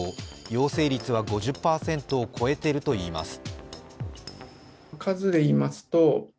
陽性率は５０％を超えているといいます。